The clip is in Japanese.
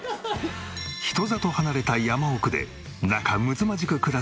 人里離れた山奥で仲むつまじく暮らす